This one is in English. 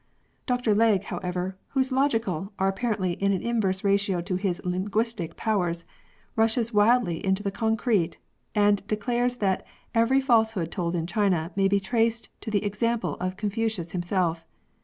Dr Legge, however, whose logical are apparently in an inverse ratio to his linguistic powers, rushes wildly into the concrete, and declares that every falsehood told in China may be traced to the example of Confucius himself.